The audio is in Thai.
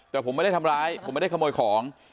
แต่ผมไม่ได้ทำร้ายผมไม่ได้ขโมยของ